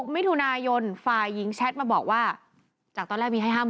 มิถุนายนฝ่ายหญิงแชทมาบอกว่าจากตอนแรกมีให้๕๐๐๐